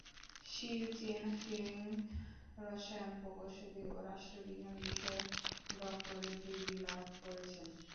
She Jinping রসায়ন প্রকৌশল ও রাষ্ট্রবিজ্ঞান বিষয়ে ডক্টরেট ডিগ্রি লাভ করেছেন।